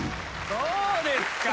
どうですか？